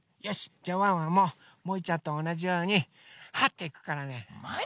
じゃあワンワンももいちゃんとおなじようにはっていくからね。もい！